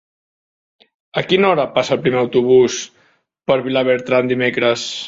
A quina hora passa el primer autobús per Vilabertran dimecres?